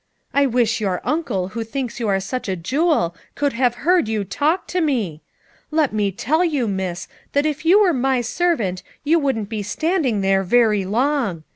I wish your uncle who thinks you are such a jewel could have heard you talk to me ! Let me tell you, miss, that if you were my servant you wouldn't be standing there very long.